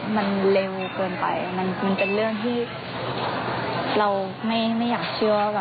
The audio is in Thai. เบลงในส่วนของการถ่ายทำ